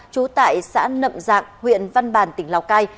trú tại xã nậm dạng huyện văn bàn tỉnh lào cai